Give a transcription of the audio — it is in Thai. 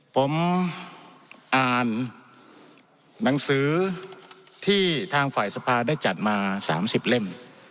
ผมอ่านหนังสือที่ทางฝ่ายสภาได้จัดมา๓๐เล่ม